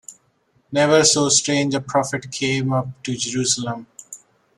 Never so strange a prophet came up to Jerusalem.